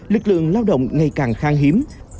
lực lượng lao động ngày càng khang hiếm